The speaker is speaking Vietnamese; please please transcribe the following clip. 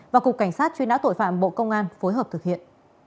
và cục cảnh sát truy nã tội phạm bộ công an phối hợp thực hiện